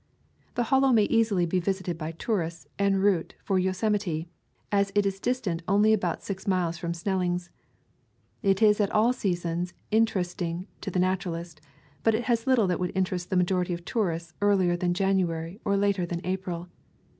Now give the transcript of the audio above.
The Hollow may easily be visited by tourists en route for Yosemite, as it is distant only about six miles from Snelling's. It is at all seasons in teresting to the naturalist; but it has little that would interest the majority of tourists earlier than January or later than April.